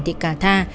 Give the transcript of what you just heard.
thị cà tha